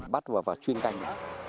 bắt vào và chuyên canh